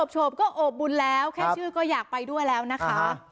โฉบก็โอบบุญแล้วแค่ชื่อก็อยากไปด้วยแล้วนะคะ